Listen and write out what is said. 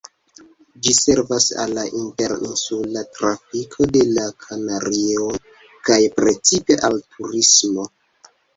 Ĝi servas al la inter-insula trafiko de la Kanarioj kaj precipe al turismo.